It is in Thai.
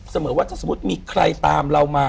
เหมือนว่าถ้าสมมุติมีใครตามเรามา